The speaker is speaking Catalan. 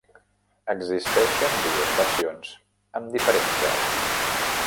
Existeixen dues versions amb diferents veus.